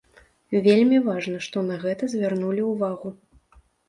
Вельмі важна, што на гэта звярнулі ўвагу.